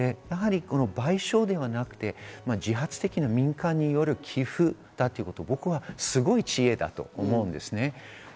賠償ではなくて自発的な民間による寄付だということを僕はすごい知恵だと思うんです。